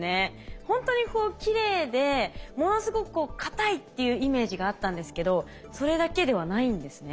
ほんとにこうきれいでものすごく硬いっていうイメージがあったんですけどそれだけではないんですね。